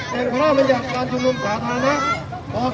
เดินครบมาจากการชุมนุมสาธารณะป๒๒๕๘